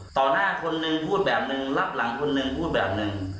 หน้าคนนึงพูดแบบนึงรับหลังคนหนึ่งพูดแบบหนึ่ง